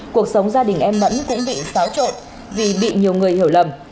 cuộc sống gia đình em mẫn cũng bị xáo trộn vì bị nhiều người hiểu lầm